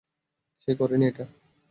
সে করেনি এটা।